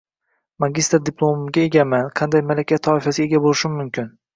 Magistr diplomiga egaman, qanday malaka toifasiga ega bo‘lishim mumkin?